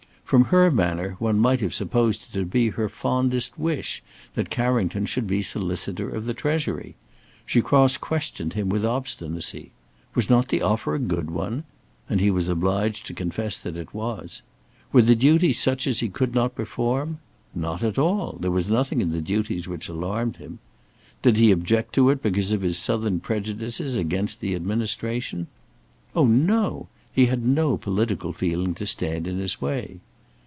From her manner one might have supposed it to be her fondest wish that Carrington should be Solicitor of the Treasury. She cross questioned him with obstinacy. Was not the offer a good one? and he was obliged to confess that it was. Were the duties such as he could not perform? Not at all! there was nothing in the duties which alarmed him. Did he object to it because of his southern prejudices against the administration? Oh, no! he had no political feeling to stand in his way.